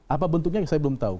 apa bentuknya yang saya belum tahu